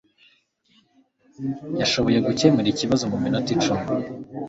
Yashoboye gukemura ikibazo muminota icumi.